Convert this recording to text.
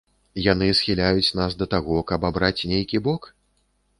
Яны схіляюць нас да таго, каб абраць нейкі бок?